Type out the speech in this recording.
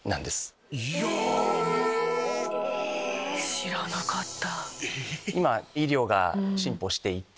知らなかった。